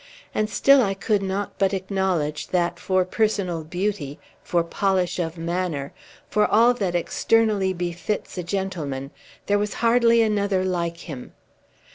And still I could not but acknowledge that, for personal beauty, for polish of manner, for all that externally befits a gentleman, there was hardly another like him.